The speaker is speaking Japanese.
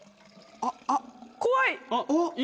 あっいい！